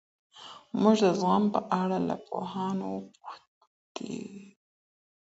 موږ د زغم په اړه له پوهانو وپوښهمېشهو.